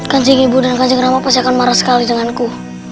kancing ibu dan kancing ramah pasti akan marah sekali denganku